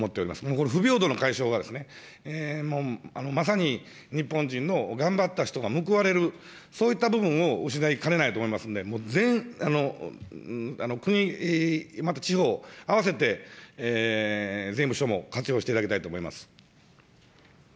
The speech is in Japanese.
これ、不平等の解消が、まさに日本人の頑張った人が報われる、そういった部分を失いかねないと思いますんで、もう国、また地方、併せて税務署も活用していただきたいと思います。